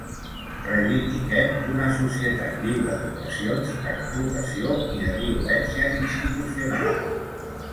Reivindiquem una societat lliure d’opressions, d’explotació i de violències institucionals.